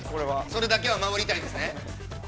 ◆それだけは守りたいんですね。